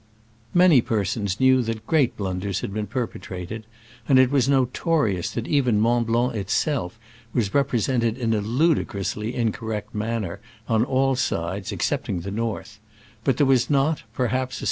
Many persons knew that great blun ders had been perpetrated, and it was notorious that even Mont Blanc itself was represented in a ludicrously incor rect manner on all sides excepting the north; but there was not, perhaps, a.